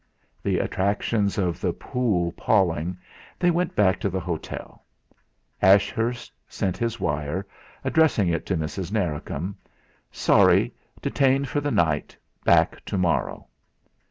The attractions of the pool palling, they went back to the hotel. Ashurst sent his wire, addressing it to Mrs. Narracombe: "Sorry, detained for the night, back to morrow."